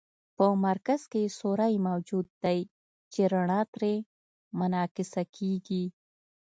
په مرکز کې سوری موجود دی چې رڼا ترې منعکسه کیږي.